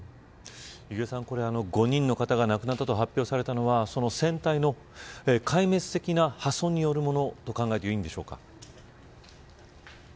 弓削さん５人の方が亡くなったことが発表されたのは船体の壊滅的な破損によるものと考えていいんでしょうか。